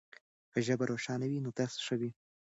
که ژبه روښانه وي نو درس ښه وي.